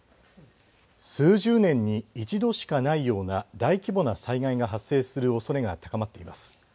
数十年に一度しかないような大規模な災害が発生するおそれが高まっています。